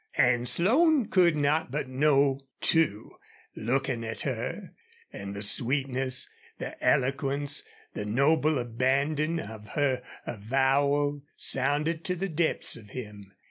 And Slone could not but know, too, looking at her; and the sweetness, the eloquence, the noble abandon of her avowal sounded to the depths of him.